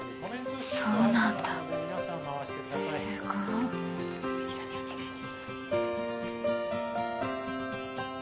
そうなんだすごっ後ろにお願いします